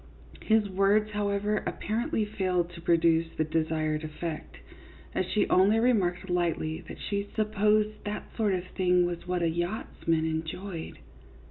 His words, however, apparently failed to produce the desired effect, as she only remarked lightly that she " supposed that sort of thing was what a yachtsman enjoyed."